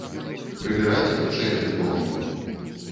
Прыбірайце хутчэй гэты помнік.